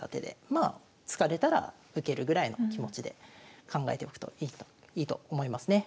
まあ突かれたら受けるぐらいの気持ちで考えておくといいと思いますね。